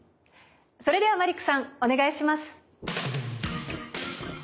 それではマリックさんお願いします。